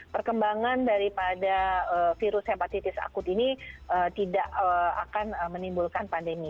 perkembangan daripada virus hepatitis akut ini tidak akan menimbulkan pandemi